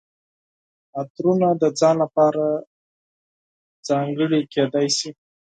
عطرونه د ځان لپاره ځانګړي کیدای شي.